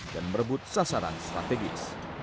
dan merebut sasaran strategis